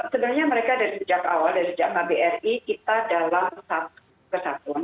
sebenarnya mereka dari sejak awal dari sejak kbri kita dalam satu kesatuan